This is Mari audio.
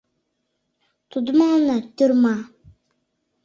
Тудо мыланна — тюрьма.